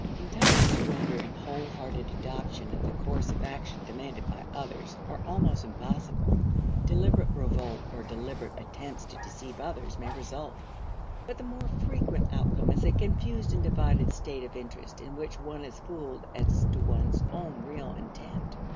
Entire surrender, and wholehearted adoption of the course of action demanded by others are almost impossible. Deliberate revolt or deliberate attempts to deceive others may result. But the more frequent outcome is a confused and divided state of interest in which one is fooled as to one's own real intent.